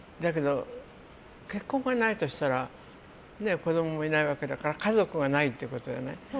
結婚がないとしたら子供もいないわけだから家族がないということじゃない。